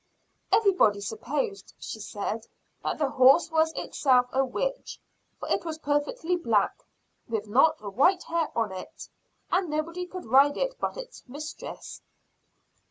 Everybody supposed, she said, that the horse was itself a witch, for it was perfectly black, with not a white hair on it, and nobody could ride it but its mistress.